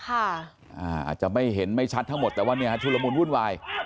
อาจจะไม่เห็นไม่ชัดทั้งหมดแต่ว่าเนี่ยฮะชุลมุนวุ่นวาย